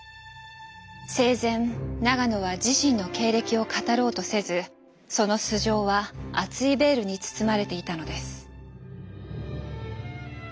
生前永野は自身の経歴を語ろうとせずその素性は厚いベールに包まれていたのです。